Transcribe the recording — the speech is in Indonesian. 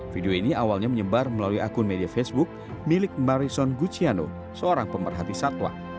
video ini awalnya menyebar melalui akun media facebook milik marison gucciano seorang pemerhati satwa